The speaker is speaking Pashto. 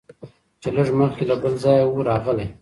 چي لږ مخکي له بل ځایه وو راغلی